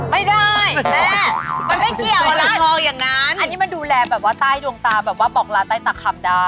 ไม่ได้แม่มันไม่เกี่ยวล่ะอันนี้มันดูแลบอกลาไต้ตักค่ำได้